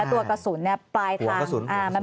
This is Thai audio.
ตัวกระสุนปลายทาง